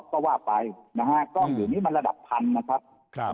ก็ว่าไปนะฮะกล้องเดี๋ยวนี้มันระดับพันนะครับ